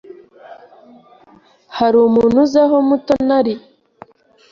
Hari umuntu uzi aho Mutoni ari?